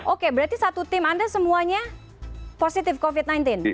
oke berarti satu tim anda semuanya positif covid sembilan belas